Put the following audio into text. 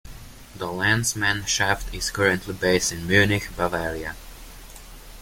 The Landsmannschaft is currently based in Munich, Bavaria.